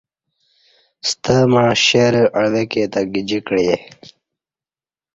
ستمع شیرہ عوہ کے تہ گجیکعی